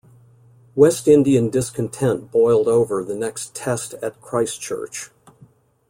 West Indian discontent boiled over the next Test at Christchurch.